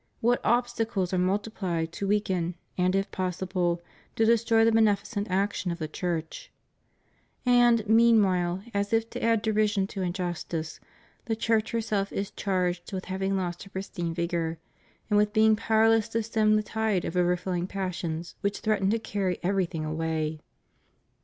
What obstacles are multiplied to weaken, and if possible to destroy the beneficent action of the Church! And, meanwhile, as if to add derision to injustice, the Church herself is charged with having lost her pristine vigor, and with being powerless to stem the tide of over flowing passions which threaten to carry everything away.